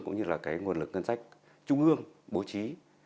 cũng như là cái nguồn lực ngân sách trung ương bố trí